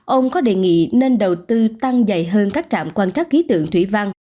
ông có đề nghị nên đầu tư tăng dày hơn các trạm quan trắc khí tượng thủy văn